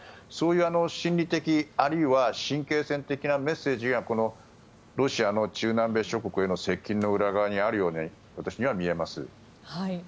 そういう心理的あるいは神経戦的なメッセージがこのロシアの中南米諸国への接近の裏側にあるように私には見えます。